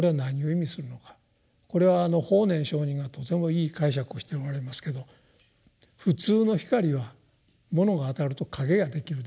これはあの法然上人がとてもいい解釈をしておられますけど普通の光は物が当たると影ができるでしょ。